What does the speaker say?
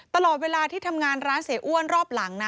ตลอดเวลาที่ทำงานร้านเสียอ้วนรอบหลังนะ